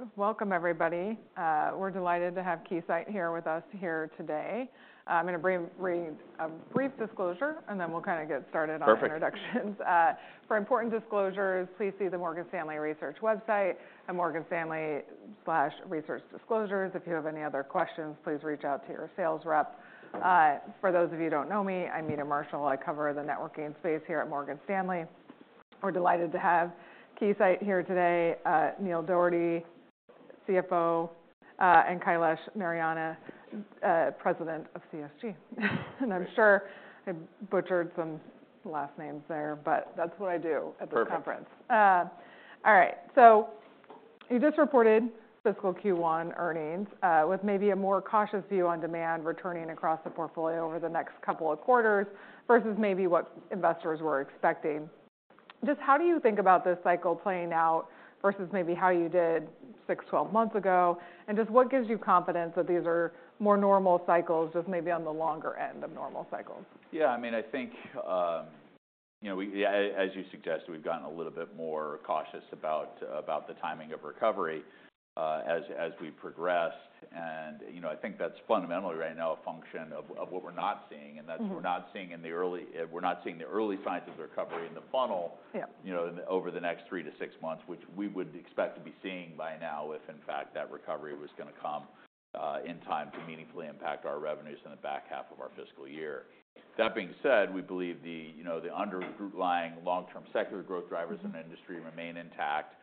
All right. Welcome, everybody. We're delighted to have Keysight here with us here today. I'm going to read a brief disclosure, and then we'll kind of get started on introductions. For important disclosures, please see the Morgan Stanley Research website, at Morgan Stanley/Research Disclosures. If you have any other questions, please reach out to your sales rep. For those of you who don't know me, I'm Meta Marshall. I cover the networking space here at Morgan Stanley. We're delighted to have Keysight here today, Neil Dougherty, CFO, and Kailash Narayanan, President of CSG. And I'm sure I butchered some last names there, but that's what I do at this conference. All right. So you just reported fiscal Q1 earnings with maybe a more cautious view on demand returning across the portfolio over the next couple of quarters versus maybe what investors were expecting. Just how do you think about this cycle playing out versus maybe how you did 6 months, 12 months ago, and just what gives you confidence that these are more normal cycles, just maybe on the longer end of normal cycles? Yeah. I mean, I think as you suggested, we've gotten a little bit more cautious about the timing of recovery as we progress. And I think that's fundamentally right now a function of what we're not seeing. And that's what we're not seeing, the early signs of the recovery in the funnel over the next three to six months, which we would expect to be seeing by now if, in fact, that recovery was going to come in time to meaningfully impact our revenues in the back half of our fiscal year. That being said, we believe the underlying long-term secular growth drivers in the industry remain intact.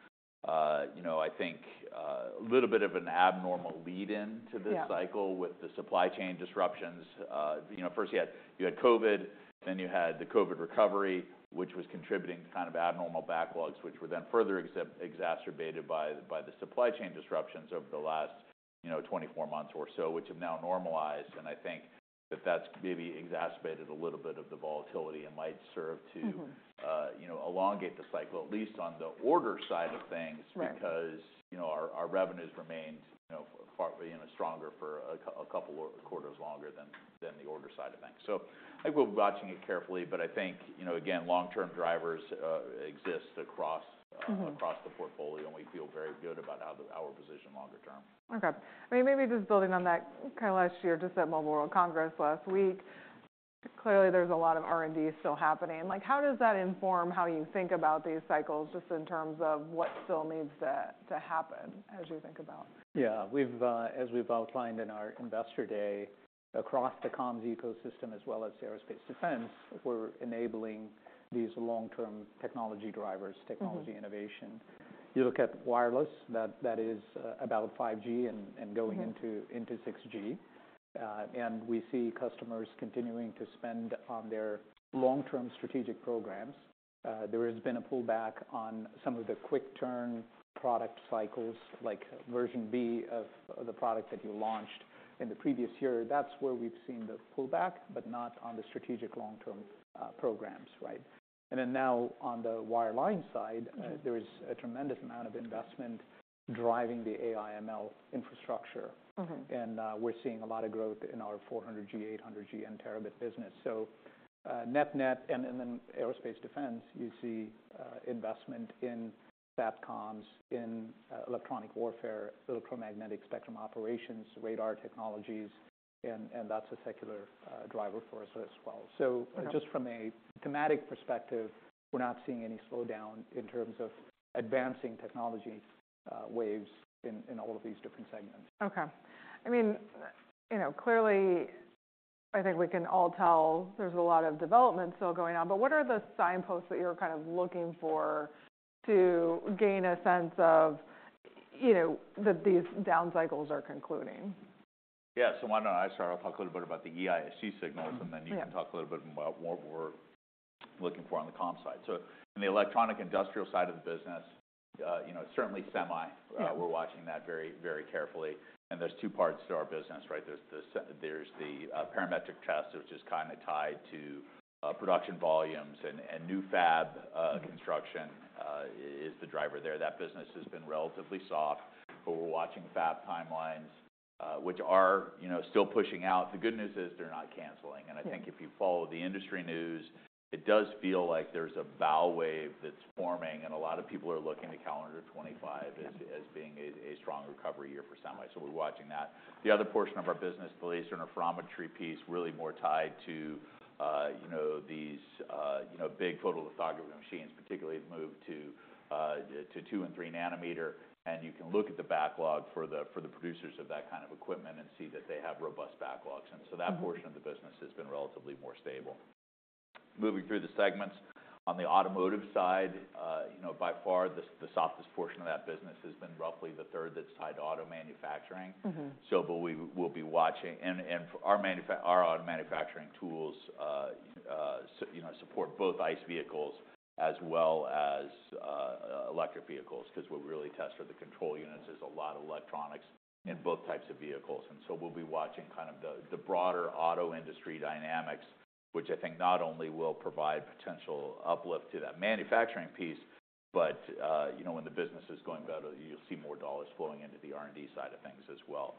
I think a little bit of an abnormal lead-in to this cycle with the supply chain disruptions. First, you had COVID. Then you had the COVID recovery, which was contributing to kind of abnormal backlogs, which were then further exacerbated by the supply chain disruptions over the last 24 months or so, which have now normalized. And I think that that's maybe exacerbated a little bit of the volatility and might serve to elongate the cycle, at least on the order side of things, because our revenues remained stronger for a couple of quarters longer than the order side of things. So I think we're watching it carefully. But I think, again, long-term drivers exist across the portfolio, and we feel very good about our position longer term. OK. I mean, maybe just building on that, Kailash, you were just at Mobile World Congress last week. Clearly, there's a lot of R&D still happening. How does that inform how you think about these cycles, just in terms of what still needs to happen as you think about? Yeah. As we've outlined in our Investor Day, across the comms ecosystem as well as aerospace defense, we're enabling these long-term technology drivers, technology innovation. You look at wireless. That is about 5G and going into 6G. And we see customers continuing to spend on their long-term strategic programs. There has been a pullback on some of the quick-turn product cycles, like version B of the product that you launched in the previous year. That's where we've seen the pullback, but not on the strategic long-term programs. And then now on the wireline side, there is a tremendous amount of investment driving the AI/ML infrastructure. And we're seeing a lot of growth in our 400G, 800G, and terabit business. So net-net, and then aerospace defense, you see investment in satcomm, in electronic warfare, electromagnetic spectrum operations, radar technologies. And that's a secular driver for us as well. So just from a thematic perspective, we're not seeing any slowdown in terms of advancing technology waves in all of these different segments. OK. I mean, clearly, I think we can all tell there's a lot of development still going on. But what are the signposts that you're kind of looking for to gain a sense of that these down cycles are concluding? Yeah. So why don't I, Start? I'll talk a little bit about the EISG signals, and then you can talk a little bit about what we're looking for on the comms side. So in the electronic industrial side of the business, certainly semi, we're watching that very, very carefully. And there's two parts to our business. There's the parametric test, which is kind of tied to production volumes. And new fab construction is the driver there. That business has been relatively soft. But we're watching fab timelines, which are still pushing out. The good news is they're not canceling. And I think if you follow the industry news, it does feel like there's a bow wave that's forming. And a lot of people are looking to calendar 2025 as being a strong recovery year for semi. So we're watching that. The other portion of our business, the laser and interferometry piece, really more tied to these big photolithography machines, particularly the move to 2 nanometer and 3 nanometer. You can look at the backlog for the producers of that kind of equipment and see that they have robust backlogs. So that portion of the business has been relatively more stable. Moving through the segments, on the automotive side, by far, the softest portion of that business has been roughly the third that's tied to auto manufacturing. We'll be watching and our auto manufacturing tools support both ICE vehicles as well as electric vehicles, because what we really test are the control units. There's a lot of electronics in both types of vehicles. And so we'll be watching kind of the broader auto industry dynamics, which I think not only will provide potential uplift to that manufacturing piece, but when the business is going better, you'll see more dollars flowing into the R&D side of things as well.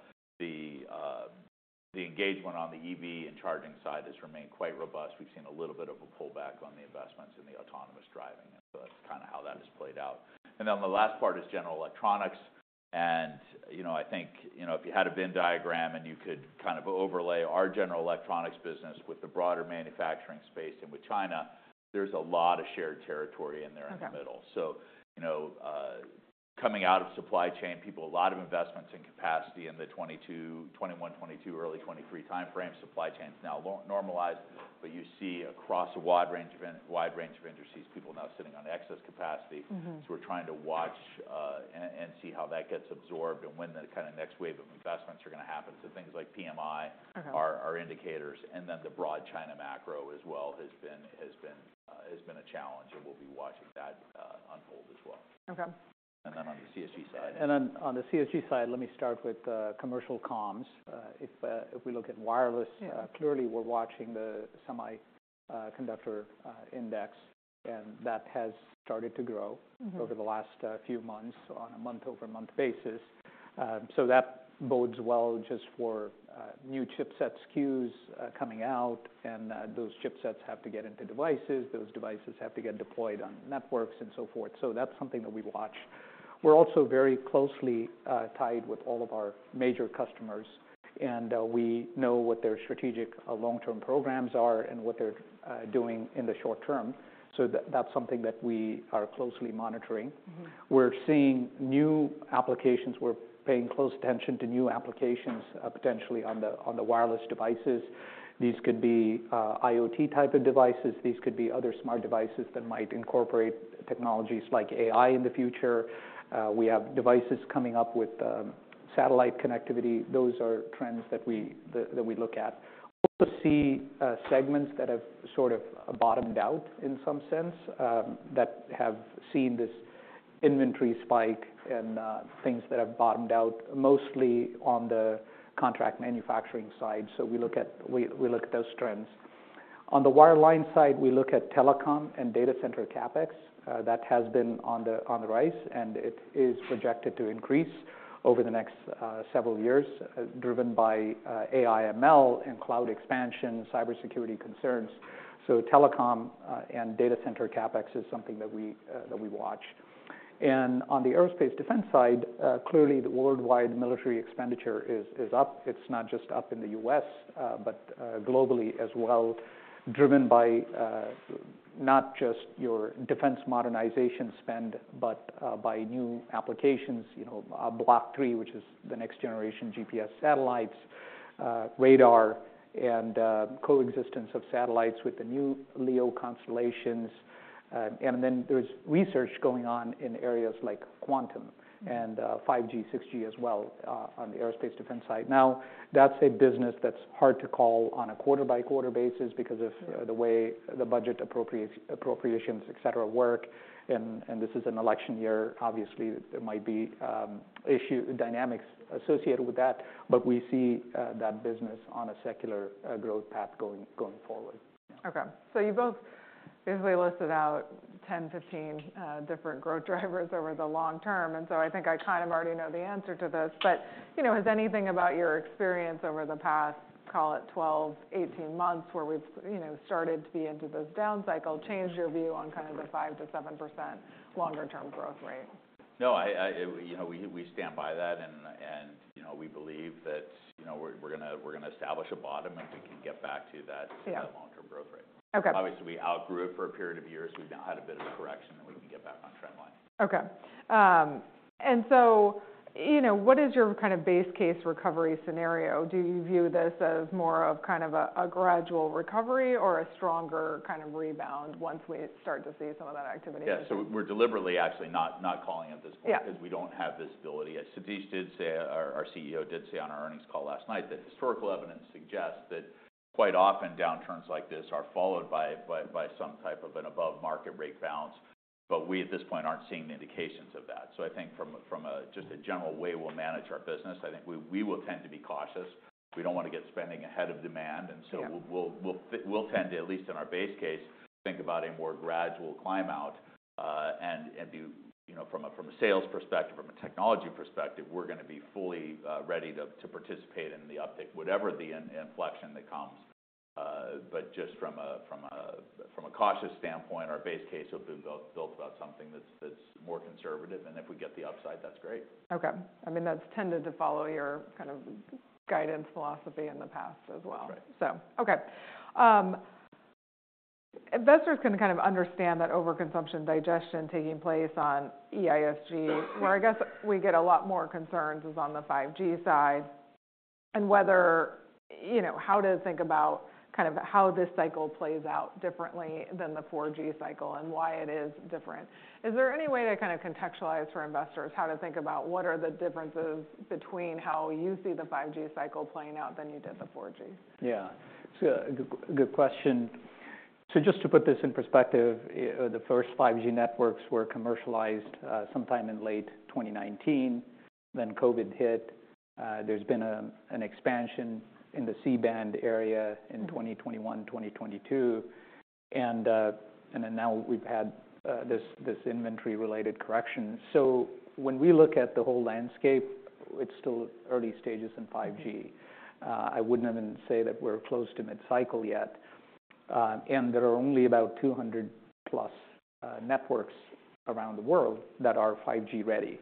The engagement on the EV and charging side has remained quite robust. We've seen a little bit of a pullback on the investments in the autonomous driving. And so that's kind of how that has played out. And then the last part is general electronics. And I think if you had a Venn diagram and you could kind of overlay our general electronics business with the broader manufacturing space and with China, there's a lot of shared territory in there in the middle. So coming out of supply chain, people a lot of investments in capacity in the 2022, 2021, 2022, early 2023 time frame. Supply chain's now normalized. But you see across a wide range of industries, people now sitting on excess capacity. So we're trying to watch and see how that gets absorbed and when the kind of next wave of investments are going to happen. So things like PMI are indicators. And then the broad China macro as well has been a challenge. And we'll be watching that unfold as well. And then on the CSG side. And then on the CSG side, let me start with commercial comms. If we look at wireless, clearly we're watching the semiconductor index. And that has started to grow over the last few months on a month-over-month basis. So that bodes well just for new chipset SKUs coming out. And those chipsets have to get into devices. Those devices have to get deployed on networks and so forth. So that's something that we watch. We're also very closely tied with all of our major customers. And we know what their strategic long-term programs are and what they're doing in the short term. So that's something that we are closely monitoring. We're seeing new applications. We're paying close attention to new applications, potentially, on the wireless devices. These could be IoT type of devices. These could be other smart devices that might incorporate technologies like AI in the future. We have devices coming up with satellite connectivity. Those are trends that we look at. We also see segments that have sort of bottomed out in some sense, that have seen this inventory spike and things that have bottomed out, mostly on the contract manufacturing side. We look at those trends. On the wireline side, we look at telecom and data center CapEx. That has been on the rise. It is projected to increase over the next several years, driven by AI/ML and cloud expansion, cybersecurity concerns. Telecom and data center CapEx is something that we watch. On the aerospace defense side, clearly, the worldwide military expenditure is up. It's not just up in the U.S., but globally as well, driven by not just your defense modernization spend, but by new applications, Block III, which is the next generation GPS satellites, radar, and coexistence of satellites with the new LEO constellations. And then there's research going on in areas like quantum and 5G, 6G as well on the aerospace defense side. Now, that's a business that's hard to call on a quarter-by-quarter basis because of the way the budget appropriations, et cetera, work. And this is an election year. Obviously, there might be issue dynamics associated with that. But we see that business on a secular growth path going forward. OK. So you both basically listed out 10 growth drivers, 15 different growth drivers over the long term. I think I kind of already know the answer to this. But has anything about your experience over the past, call it, 12 months-18 months where we've started to be into this down cycle changed your view on kind of the 5%-7% longer-term growth rate? No. We stand by that. We believe that we're going to establish a bottom if we can get back to that long-term growth rate. Obviously, we outgrew it for a period of years. We've now had a bit of a correction. We can get back on trendline. OK. What is your kind of base case recovery scenario? Do you view this as more of kind of a gradual recovery or a stronger kind of rebound once we start to see some of that activity? Yeah. So we're deliberately, actually, not calling at this point because we don't have visibility. Satish did say our CEO did say on our earnings call last night that historical evidence suggests that quite often, downturns like this are followed by some type of an above-market rate bounce. But we, at this point, aren't seeing the indications of that. So I think from just a general way we'll manage our business, I think we will tend to be cautious. We don't want to get spending ahead of demand. And so we'll tend to, at least in our base case, think about a more gradual climb out. And from a sales perspective, from a technology perspective, we're going to be fully ready to participate in the uptick, whatever the inflection that comes. But just from a cautious standpoint, our base case will be built about something that's more conservative. If we get the upside, that's great. OK. I mean, that's tended to follow your kind of guidance philosophy in the past as well. That's right. OK. Investors can kind of understand that overconsumption digestion taking place on EISG, where I guess we get a lot more concerns is on the 5G side. And how to think about kind of how this cycle plays out differently than the 4G cycle and why it is different. Is there any way to kind of contextualize for investors how to think about what are the differences between how you see the 5G cycle playing out than you did the 4G? Yeah. It's a good question. So just to put this in perspective, the first 5G networks were commercialized sometime in late 2019. Then COVID hit. There's been an expansion in the C-band area in 2021, 2022. And then now we've had this inventory-related correction. So when we look at the whole landscape, it's still early stages in 5G. I wouldn't even say that we're close to mid-cycle yet. And there are only about 200+ networks around the world that are 5G ready.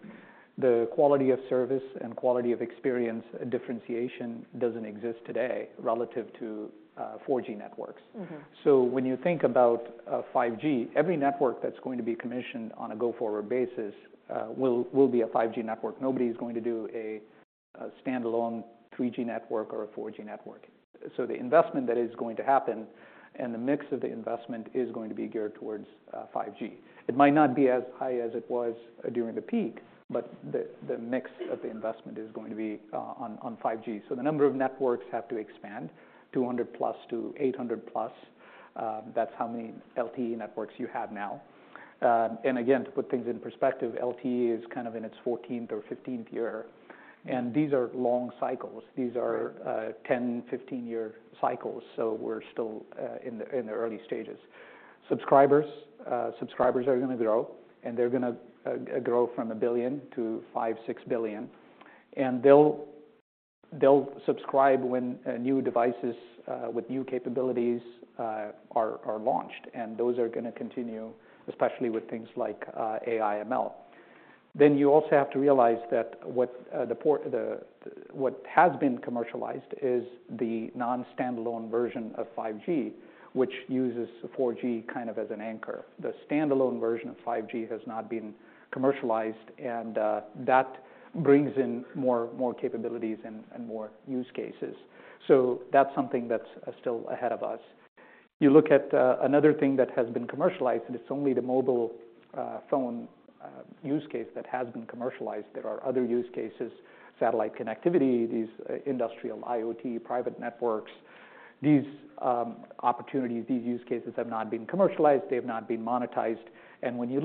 The quality of service and quality of experience differentiation doesn't exist today relative to 4G networks. So when you think about 5G, every network that's going to be commissioned on a go-forward basis will be a 5G network. Nobody's going to do a standalone 3G network or a 4G network. So the investment that is going to happen and the mix of the investment is going to be geared towards 5G. It might not be as high as it was during the peak. But the mix of the investment is going to be on 5G. So the number of networks have to expand, 200+ to 800+. That's how many LTE networks you have now. And again, to put things in perspective, LTE is kind of in its 14th or 15th year. And these are long cycles. These are 10-year cyles, 15-year cycles. So we're still in the early stages. Subscribers are going to grow. And they're going to grow from 1 billion to 5 billion, 6 billion. And they'll subscribe when new devices with new capabilities are launched. And those are going to continue, especially with things like AI/ML. Then you also have to realize that what has been commercialized is the non-standalone version of 5G, which uses 4G kind of as an anchor. The standalone version of 5G has not been commercialized. And that brings in more capabilities and more use cases. So that's something that's still ahead of us. You look at another thing that has been commercialized, and it's only the mobile phone use case that has been commercialized. There are other use cases, satellite connectivity, these industrial IoT, private networks. These opportunities, these use cases have not been commercialized. They have not been monetized. And when you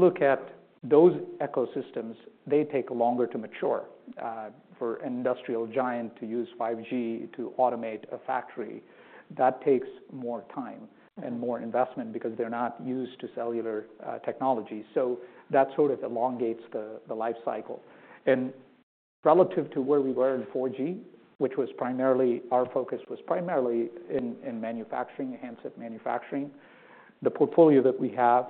look at those ecosystems, they take longer to mature. For an industrial giant to use 5G to automate a factory, that takes more time and more investment because they're not used to cellular technology. So that sort of elongates the life cycle. And relative to where we were in 4G, which was primarily our focus was primarily in manufacturing, enhanced manufacturing, the portfolio that we have,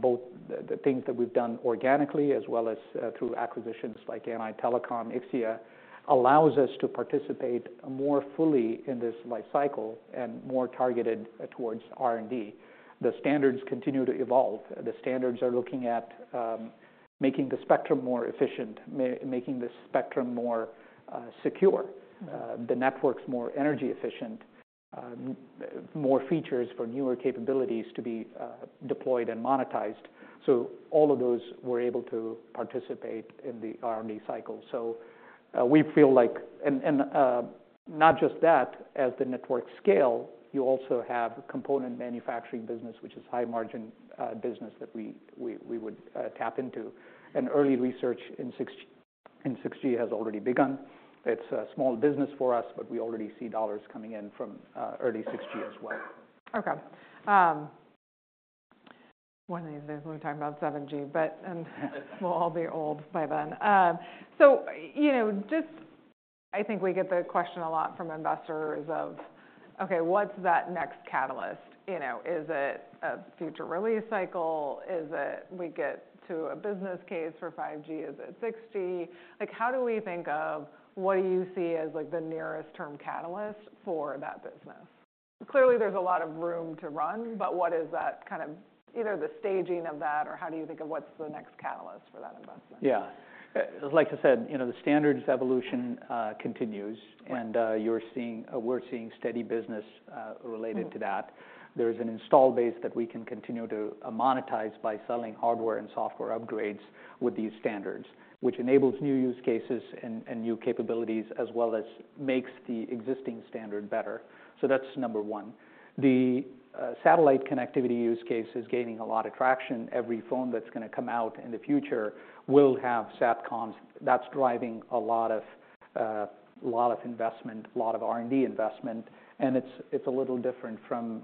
both the things that we've done organically as well as through acquisitions like Anite Telecom, Ixia, allows us to participate more fully in this life cycle and more targeted towards R&D. The standards continue to evolve. The standards are looking at making the spectrum more efficient, making the spectrum more secure, the networks more energy efficient, more features for newer capabilities to be deployed and monetized. So all of those, we're able to participate in the R&D cycle. So we feel like and not just that. As the networks scale, you also have component manufacturing business, which is high-margin business that we would tap into. And early research in 6G has already begun. It's a small business for us. But we already see dollars coming in from early 6G as well. OK. One of these days, we'll be talking about 7G. But we'll all be old by then. So just I think we get the question a lot from investors of, OK, what's that next catalyst? Is it a future release cycle? Is it we get to a business case for 5G? Is it 6G? How do we think of what do you see as the nearest-term catalyst for that business? Clearly, there's a lot of room to run. But what is that kind of either the staging of that? Or how do you think of what's the next catalyst for that investment? Yeah. Like I said, the standards evolution continues. We're seeing steady business related to that. There is an installed base that we can continue to monetize by selling hardware and software upgrades with these standards, which enables new use cases and new capabilities as well as makes the existing standard better. That's number one. The satellite connectivity use case is gaining a lot of traction. Every phone that's going to come out in the future will have satcoms. That's driving a lot of investment, a lot of R&D investment. It's a little different from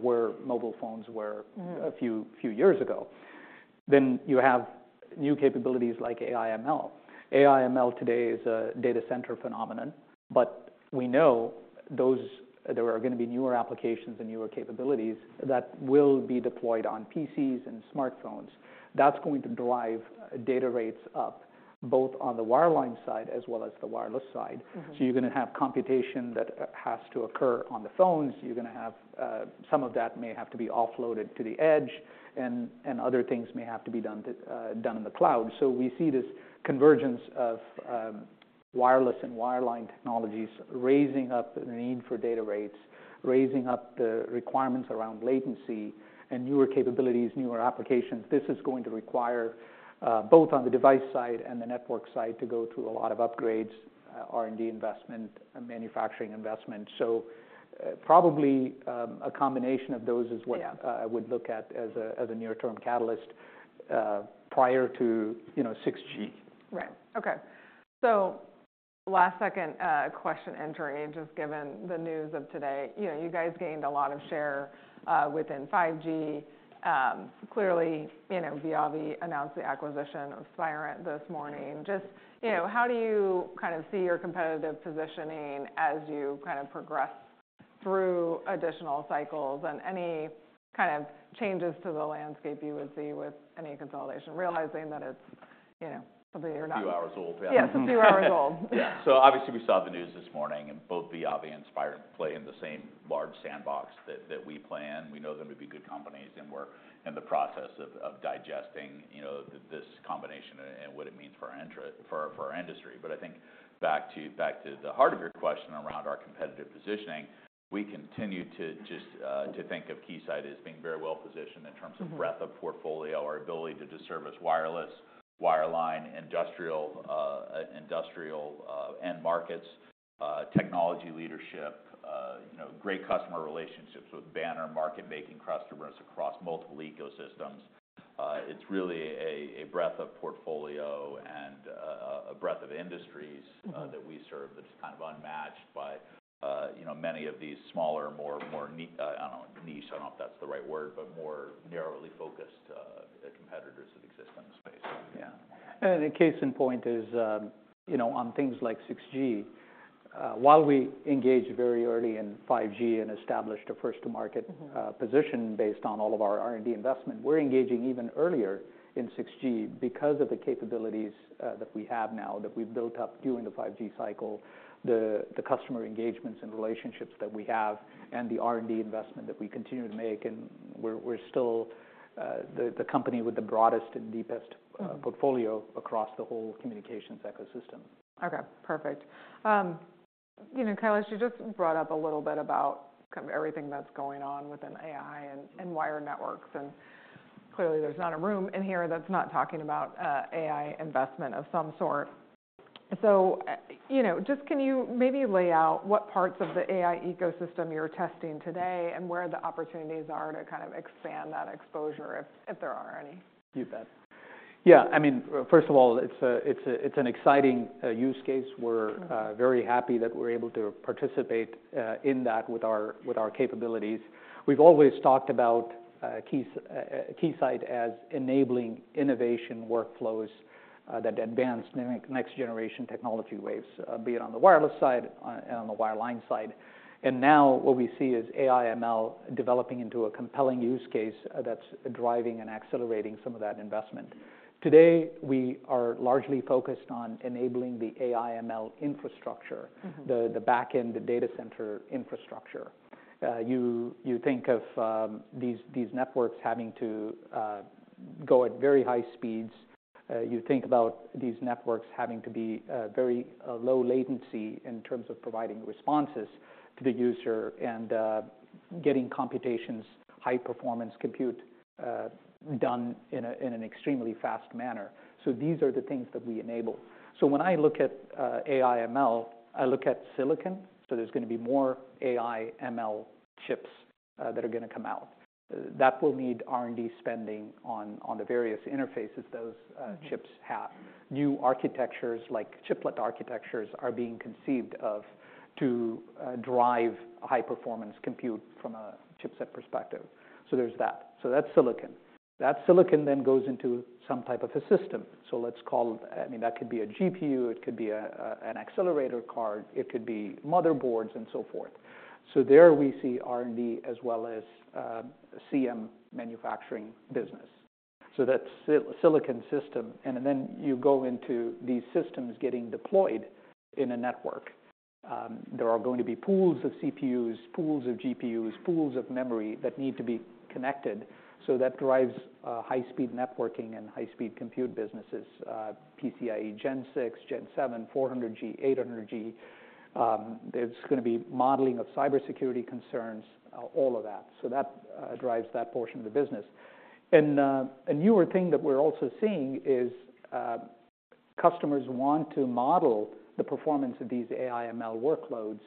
where mobile phones were a few years ago. You have new capabilities like AI/ML. AI/ML today is a data center phenomenon. We know there are going to be newer applications and newer capabilities that will be deployed on PCs and smartphones. That's going to drive data rates up, both on the wireline side as well as the wireless side. So you're going to have computation that has to occur on the phones. You're going to have some of that may have to be offloaded to the edge. And other things may have to be done in the cloud. So we see this convergence of wireless and wireline technologies raising up the need for data rates, raising up the requirements around latency, and newer capabilities, newer applications. This is going to require both on the device side and the network side to go through a lot of upgrades, R&D investment, manufacturing investment. So probably a combination of those is what I would look at as a near-term catalyst prior to 6G. Right. OK. So last second question entry, just given the news of today. You guys gained a lot of share within 5G. Clearly, Viavi announced the acquisition of Spirent this morning. Just how do you kind of see your competitive positioning as you kind of progress through additional cycles and any kind of changes to the landscape you would see with any consolidation, realizing that it's something you're not? A few hours old, yeah. Yeah. It's a few hours old. Yeah. So obviously, we saw the news this morning. And both Viavi and Spirent play in the same large sandbox that we play in. We know them to be good companies. And we're in the process of digesting this combination and what it means for our industry. But I think back to the heart of your question around our competitive positioning, we continue to just think of Keysight as being very well positioned in terms of breadth of portfolio, our ability to service wireless, wireline, industrial end markets, technology leadership, great customer relationships with banner market-making customers across multiple ecosystems. It's really a breadth of portfolio and a breadth of industries that we serve that is kind of unmatched by many of these smaller, more niche I don't know if that's the right word, but more narrowly focused competitors that exist in the space. Yeah. And a case in point is on things like 6G. While we engage very early in 5G and established a first-to-market position based on all of our R&D investment, we're engaging even earlier in 6G because of the capabilities that we have now that we've built up during the 5G cycle, the customer engagements and relationships that we have, and the R&D investment that we continue to make. And we're still the company with the broadest and deepest portfolio across the whole communications ecosystem. OK. Perfect. Kailash, you just brought up a little bit about everything that's going on within AI and wired networks. And clearly, there's not a room in here that's not talking about AI investment of some sort. So just can you maybe lay out what parts of the AI ecosystem you're testing today and where the opportunities are to kind of expand that exposure, if there are any? You bet. Yeah. I mean, first of all, it's an exciting use case. We're very happy that we're able to participate in that with our capabilities. We've always talked about Keysight as enabling innovation workflows that advance next-generation technology waves, be it on the wireless side and on the wireline side. And now what we see is AI/ML developing into a compelling use case that's driving and accelerating some of that investment. Today, we are largely focused on enabling the AI/ML infrastructure, the backend, the data center infrastructure. You think of these networks having to go at very high speeds. You think about these networks having to be very low latency in terms of providing responses to the user and getting computations, high-performance compute done in an extremely fast manner. So these are the things that we enable. So when I look at AI/ML, I look at silicon. So there's going to be more AI/ML chips that are going to come out. That will need R&D spending on the various interfaces those chips have. New architectures, like chiplet architectures, are being conceived of to drive high-performance compute from a chipset perspective. So there's that. So that's silicon. That silicon then goes into some type of a system. So let's call it I mean, that could be a GPU. It could be an accelerator card. It could be motherboards and so forth. So there we see R&D as well as CM manufacturing business. So that's silicon system. And then you go into these systems getting deployed in a network. There are going to be pools of CPUs, pools of GPUs, pools of memory that need to be connected. So that drives high-speed networking and high-speed compute businesses, PCIe Gen 6, Gen 7, 400G, 800G. There's going to be modeling of cybersecurity concerns, all of that. So that drives that portion of the business. And a newer thing that we're also seeing is customers want to model the performance of these AI/ML workloads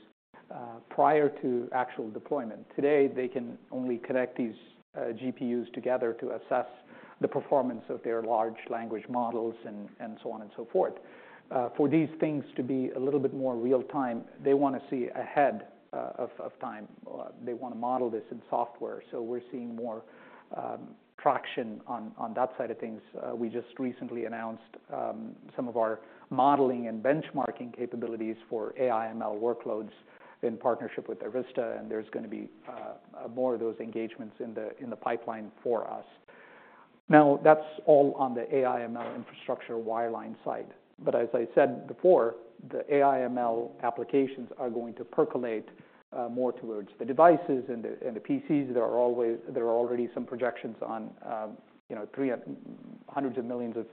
prior to actual deployment. Today, they can only connect these GPUs together to assess the performance of their large language models and so on and so forth. For these things to be a little bit more real-time, they want to see ahead of time. They want to model this in software. So we're seeing more traction on that side of things. We just recently announced some of our modeling and benchmarking capabilities for AI/ML workloads in partnership with Arista. And there's going to be more of those engagements in the pipeline for us. Now, that's all on the AI/ML infrastructure wireline side. But as I said before, the AI/ML applications are going to percolate more towards the devices and the PCs. There are already some projections on hundreds of millions of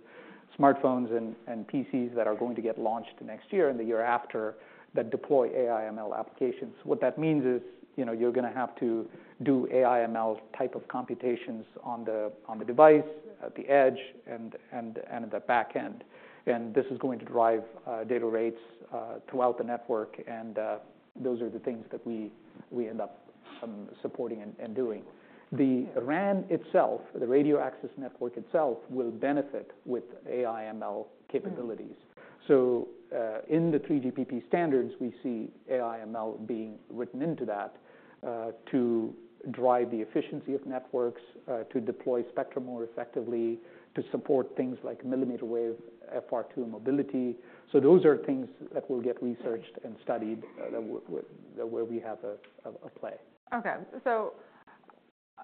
smartphones and PCs that are going to get launched next year and the year after that deploy AI/ML applications. What that means is you're going to have to do AI/ML type of computations on the device, at the edge, and at the back end. And this is going to drive data rates throughout the network. And those are the things that we end up supporting and doing. The RAN itself, the radio access network itself, will benefit with AI/ML capabilities. So in the 3GPP standards, we see AI/ML being written into that to drive the efficiency of networks, to deploy spectrum more effectively, to support things like millimeter wave FR2 mobility. Those are things that will get researched and studied where we have a play. OK. So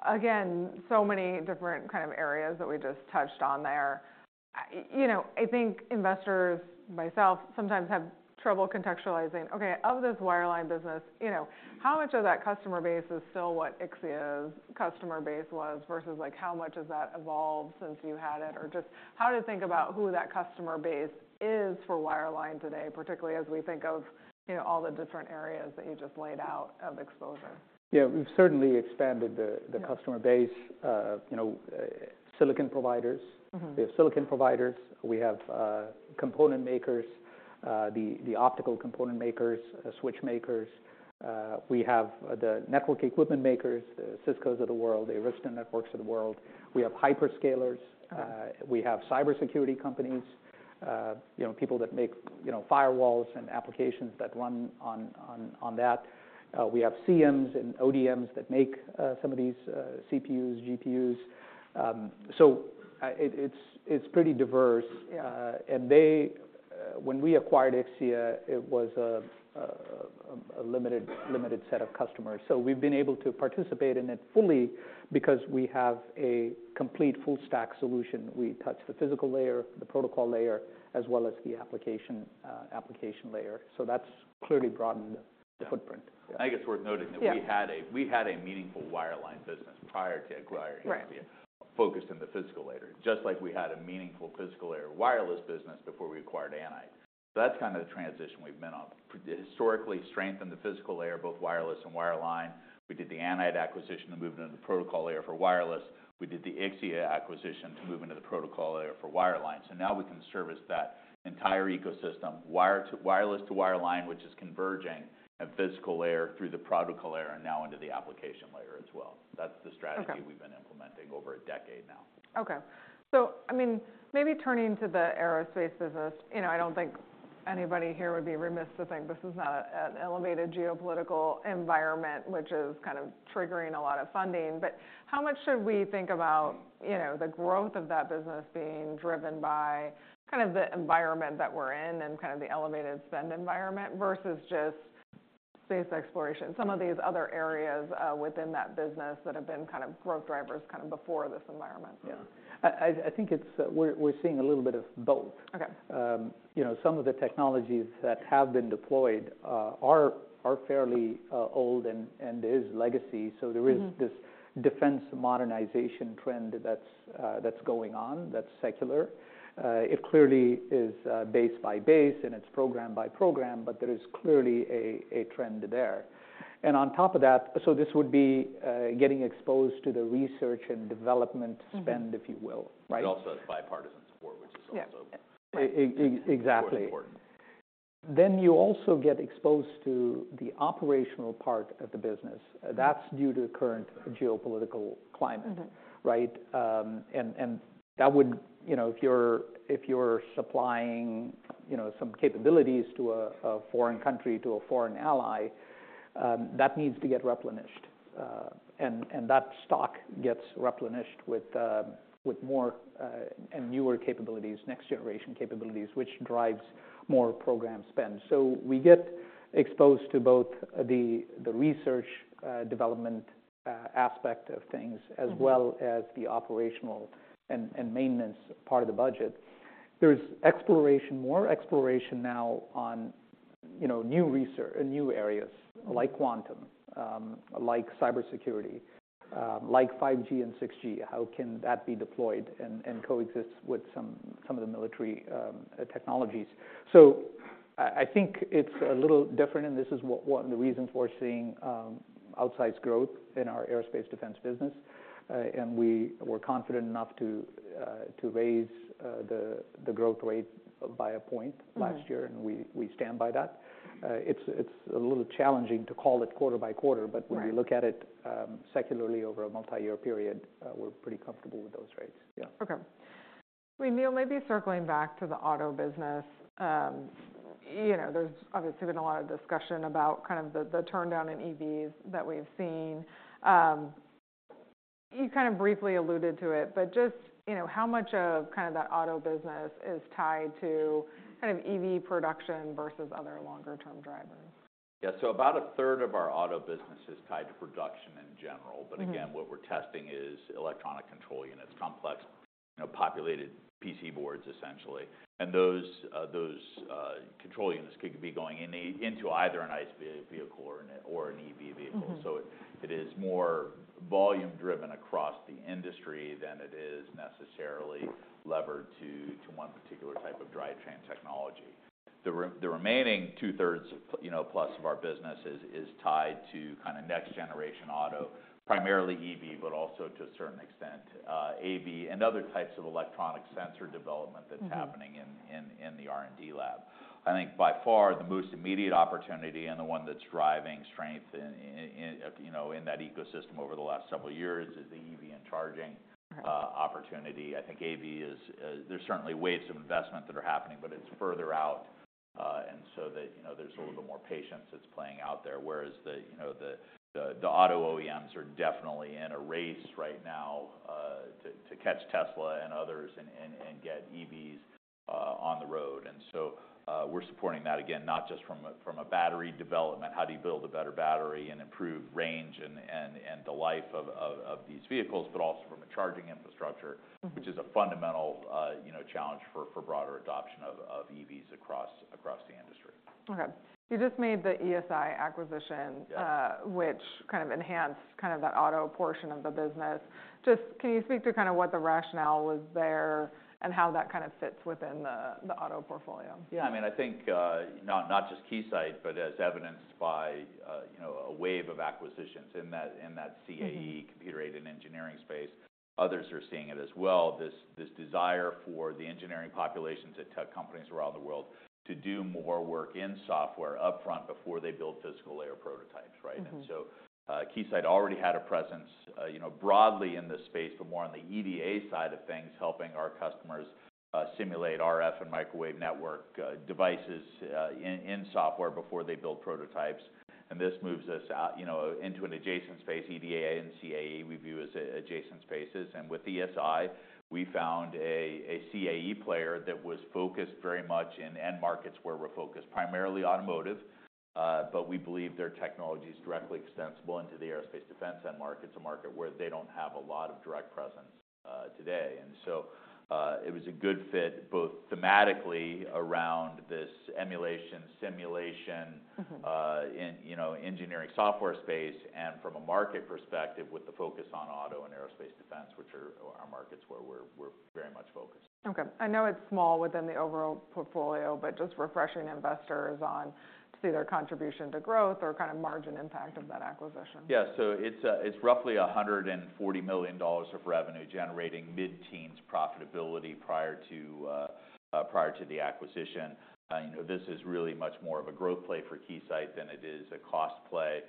again, so many different kind of areas that we just touched on there. I think investors, myself, sometimes have trouble contextualizing, OK, of this wireline business, how much of that customer base is still what Ixia's customer base was versus how much has that evolved since you had it? Or just how to think about who that customer base is for wireline today, particularly as we think of all the different areas that you just laid out of exposure. Yeah. We've certainly expanded the customer base. Silicon providers. We have silicon providers. We have component makers, the optical component makers, switch makers. We have the network equipment makers, the Ciscos of the world, the Arista Networks of the world. We have hyperscalers. We have cybersecurity companies, people that make firewalls and applications that run on that. We have CMs and ODMs that make some of these CPUs, GPUs. So it's pretty diverse. And when we acquired Ixia, it was a limited set of customers. So we've been able to participate in it fully because we have a complete full-stack solution. We touch the physical layer, the protocol layer, as well as the application layer. So that's clearly broadened the footprint. I guess worth noting that we had a meaningful wireline business prior to acquiring Ixia, focused in the physical layer, just like we had a meaningful physical layer wireless business before we acquired Anite. So that's kind of the transition we've been on. Historically, strengthened the physical layer, both wireless and wireline. We did the Anite acquisition to move into the protocol layer for wireless. We did the Ixia acquisition to move into the protocol layer for wireline. So now we can service that entire ecosystem, wireless to wireline, which is converging a physical layer through the protocol layer and now into the application layer as well. That's the strategy we've been implementing over a decade now. OK. So I mean, maybe turning to the aerospace business. I don't think anybody here would be remiss to think this is not an elevated geopolitical environment, which is kind of triggering a lot of funding. But how much should we think about the growth of that business being driven by kind of the environment that we're in and kind of the elevated spend environment versus just space exploration, some of these other areas within that business that have been kind of growth drivers kind of before this environment? Yeah. I think we're seeing a little bit of both. Some of the technologies that have been deployed are fairly old and there is legacy. So there is this defense modernization trend that's going on that's secular. It clearly is base by base, and it's program by program. But there is clearly a trend there. And on top of that, so this would be getting exposed to the research and development spend, if you will. But also it's bipartisan support, which is also important. Exactly. Then you also get exposed to the operational part of the business. That's due to the current geopolitical climate. And if you're supplying some capabilities to a foreign country, to a foreign ally, that needs to get replenished. And that stock gets replenished with more and newer capabilities, next-generation capabilities, which drives more program spend. So we get exposed to both the research development aspect of things as well as the operational and maintenance part of the budget. There is exploration, more exploration now on new areas, like quantum, like cybersecurity, like 5G and 6G. How can that be deployed and coexist with some of the military technologies? So I think it's a little different. And this is one of the reasons we're seeing outsized growth in our aerospace defense business. And we were confident enough to raise the growth rate by a point last year. We stand by that. It's a little challenging to call it quarter by quarter. But when you look at it secularly over a multi-year period, we're pretty comfortable with those rates. Yeah. OK. I mean, Neil, maybe circling back to the auto business. There's obviously been a lot of discussion about kind of the downturn in EVs that we've seen. You kind of briefly alluded to it. But just how much of kind of that auto business is tied to kind of EV production versus other longer-term drivers? Yeah. So about a third of our auto business is tied to production in general. But again, what we're testing is electronic control units, complex populated PC boards, essentially. And those control units could be going into either an ICE vehicle or an EV vehicle. So it is more volume-driven across the industry than it is necessarily levered to one particular type of drivetrain technology. The remaining 2/3+ of our business is tied to kind of next-generation auto, primarily EV, but also to a certain extent AV and other types of electronic sensor development that's happening in the R&D lab. I think by far, the most immediate opportunity and the one that's driving strength in that ecosystem over the last several years is the EV and charging opportunity. I think AV is, there's certainly waves of investment that are happening. But it's further out. So there's a little bit more patience that's playing out there. Whereas the auto OEMs are definitely in a race right now to catch Tesla and others and get EVs on the road. We're supporting that, again, not just from a battery development, how do you build a better battery and improve range and the life of these vehicles, but also from a charging infrastructure, which is a fundamental challenge for broader adoption of EVs across the industry. OK. You just made the ESI acquisition, which kind of enhanced kind of that auto portion of the business. Just can you speak to kind of what the rationale was there and how that kind of fits within the auto portfolio? Yeah. I mean, I think not just Keysight, but as evidenced by a wave of acquisitions in that CAE, computer-aided engineering space, others are seeing it as well, this desire for the engineering populations at tech companies around the world to do more work in software upfront before they build physical layer prototypes. And so Keysight already had a presence broadly in this space, but more on the EDA side of things, helping our customers simulate RF and microwave network devices in software before they build prototypes. And this moves us into an adjacent space. EDA and CAE we view as adjacent spaces. And with ESI, we found a CAE player that was focused very much in end markets where we're focused, primarily automotive. But we believe their technology is directly extensible into the aerospace defense end markets, a market where they don't have a lot of direct presence today. And so it was a good fit both thematically around this emulation, simulation engineering software space, and from a market perspective with the focus on auto and aerospace defense, which are our markets where we're very much focused. OK. I know it's small within the overall portfolio, but just refreshing investors to see their contribution to growth or kind of margin impact of that acquisition. Yeah. So it's roughly $140 million of revenue, generating mid-teens profitability prior to the acquisition. This is really much more of a growth play for Keysight than it is a cost play.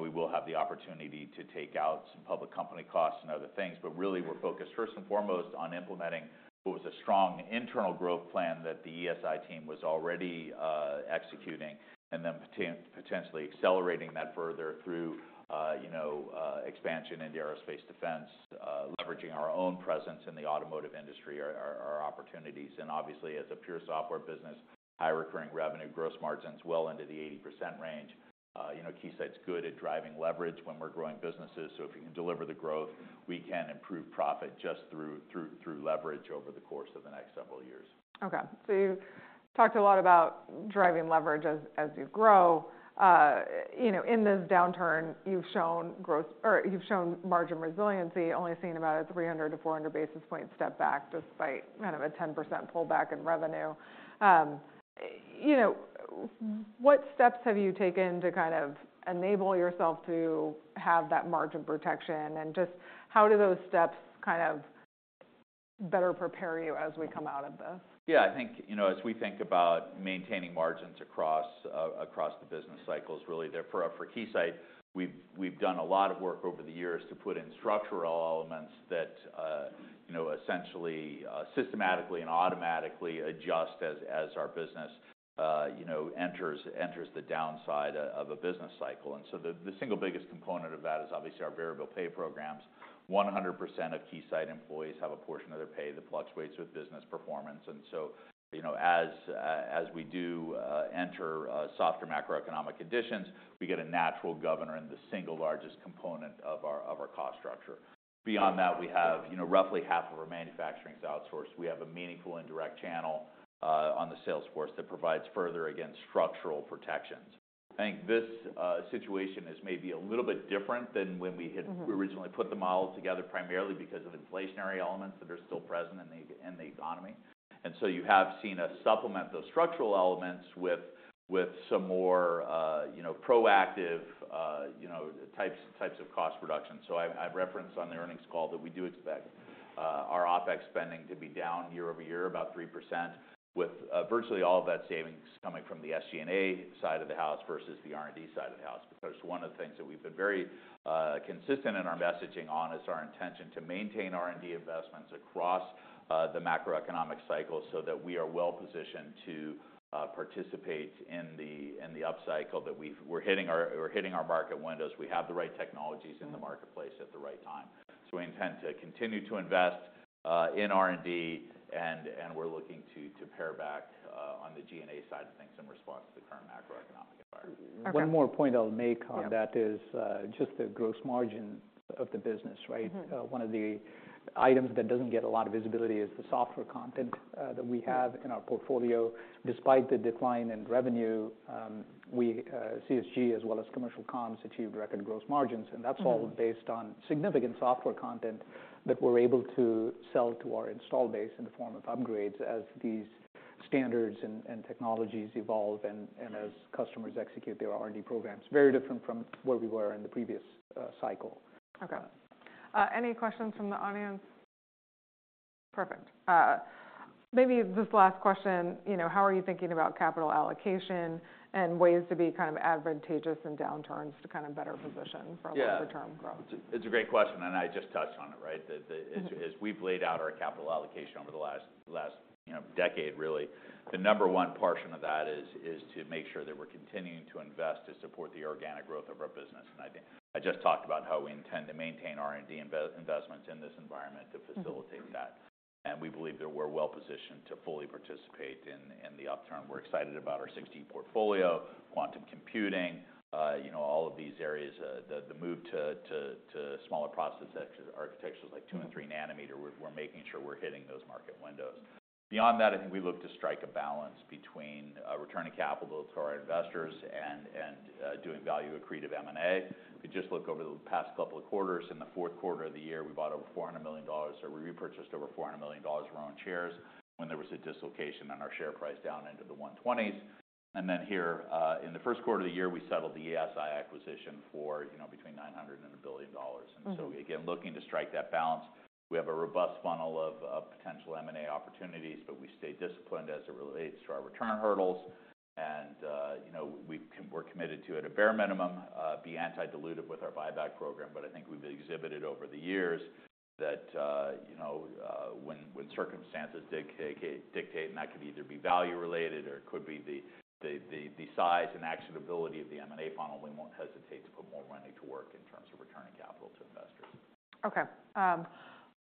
We will have the opportunity to take out some public company costs and other things. But really, we're focused first and foremost on implementing what was a strong internal growth plan that the ESI team was already executing and then potentially accelerating that further through expansion into aerospace defense, leveraging our own presence in the automotive industry, our opportunities. And obviously, as a pure software business, high recurring revenue, gross margins well into the 80% range. Keysight's good at driving leverage when we're growing businesses. So if you can deliver the growth, we can improve profit just through leverage over the course of the next several years. OK. So you talked a lot about driving leverage as you grow. In this downturn, you've shown margin resiliency, only seen about a 300 basis point-400 basis point step back despite kind of a 10% pullback in revenue. What steps have you taken to kind of enable yourself to have that margin protection? And just how do those steps kind of better prepare you as we come out of this? Yeah. I think as we think about maintaining margins across the business cycles, really, for Keysight, we've done a lot of work over the years to put in structural elements that essentially, systematically, and automatically adjust as our business enters the downside of a business cycle. And so the single biggest component of that is obviously our variable pay programs. 100% of Keysight employees have a portion of their pay that fluctuates with business performance. And so as we do enter softer macroeconomic conditions, we get a natural governor in the single largest component of our cost structure. Beyond that, we have roughly half of our manufacturing outsourced. We have a meaningful indirect channel on the sales force that provides further, again, structural protections. I think this situation is maybe a little bit different than when we originally put the model together, primarily because of inflationary elements that are still present in the economy. And so you have seen us supplement those structural elements with some more proactive types of cost reduction. So I've referenced on the earnings call that we do expect our OpEx spending to be down year-over-year, about 3%, with virtually all of that savings coming from the SG&A side of the house versus the R&D side of the house. Because one of the things that we've been very consistent in our messaging on is our intention to maintain R&D investments across the macroeconomic cycle so that we are well positioned to participate in the upcycle that we're hitting our market windows. We have the right technologies in the marketplace at the right time. We intend to continue to invest in R&D. We're looking to pare back on the G&A side of things in response to the current macroeconomic environment. One more point I'll make on that is just the gross margin of the business. One of the items that doesn't get a lot of visibility is the software content that we have in our portfolio. Despite the decline in revenue, CSG, as well as commercial comms, achieved record gross margins. That's all based on significant software content that we're able to sell to our installed base in the form of upgrades as these standards and technologies evolve and as customers execute their R&D programs, very different from where we were in the previous cycle. OK. Any questions from the audience? Perfect. Maybe this last question, how are you thinking about capital allocation and ways to be kind of advantageous in downturns to kind of better position for longer-term growth? Yeah. It's a great question. And I just touched on it, right? We've laid out our capital allocation over the last decade, really. The number one portion of that is to make sure that we're continuing to invest to support the organic growth of our business. And I just talked about how we intend to maintain R&D investments in this environment to facilitate that. And we believe that we're well positioned to fully participate in the upturn. We're excited about our 6G portfolio, quantum computing, all of these areas, the move to smaller process architectures like 2 nanometer and 3 nanometer. We're making sure we're hitting those market windows. Beyond that, I think we look to strike a balance between returning capital to our investors and doing value accretive M&A. If you just look over the past couple of quarters, in the fourth quarter of the year, we bought over $400 million. So we repurchased over $400 million of our own shares when there was a dislocation on our share price down into the 120s. And then here, in the first quarter of the year, we settled the ESI acquisition for between $900 million and $1 billion. And so again, looking to strike that balance. We have a robust funnel of potential M&A opportunities. But we stay disciplined as it relates to our return hurdles. And we're committed to, at a bare minimum, be anti-dilutive with our buyback program. But I think we've exhibited over the years that when circumstances dictate, and that could either be value related or it could be the size and actionability of the M&A funnel, we won't hesitate to put more money to work in terms of returning capital to investors. OK.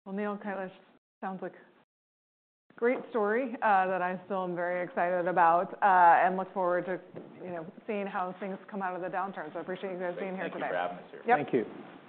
Well, Neil, Kailash, sounds like a great story that I still am very excited about and look forward to seeing how things come out of the downturn. So I appreciate you guys being here today. Thank you for the atmosphere. Thank you.